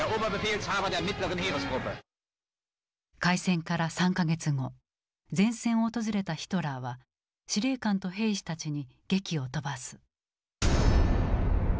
開戦から３か月後前線を訪れたヒトラーは司令官と兵士たちにげきを飛ばす。